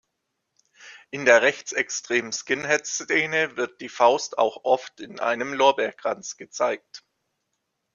In der rechtsextremen Skinhead-Szene wird die Faust auch oft in einem Lorbeerkranz gezeigt.